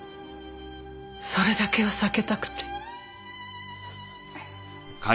それだけは避けたくて。